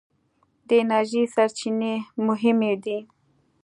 د انرژۍ سرچینې مهمې دي.